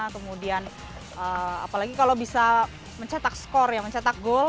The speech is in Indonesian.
kemudian apalagi kalau bisa mencetak skor ya mencetak gol